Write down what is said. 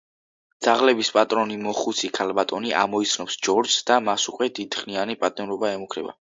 ძაღლების პატრონი მოხუცი ქალბატონი ამოიცნობს ჯორჯს და მას უკვე დიდხნიანი პატიმრობა ემუქრება.